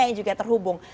yang juga terhubung